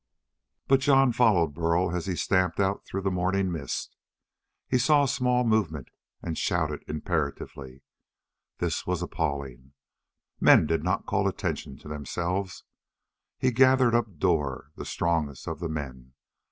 But Jon followed Burl as he stamped on through the morning mist. He saw a small movement and shouted imperatively. This was appalling! Men did not call attention to themselves! He gathered up Dor, the strongest of the men.